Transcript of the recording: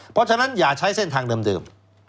เพราะฉะนั้นอย่าใช้เส้นทางเดิม